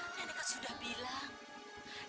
nenek kan sudah bilang